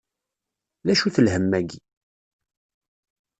D acu-t lhemm-agi?